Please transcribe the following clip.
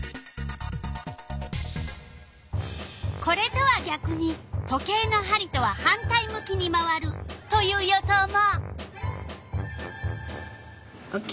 これとはぎゃくに時計のはりとは反対向きに回るという予想も。